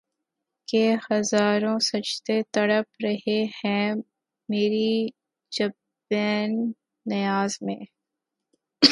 کہ ہزاروں سجدے تڑپ رہے ہیں مری جبین نیاز میں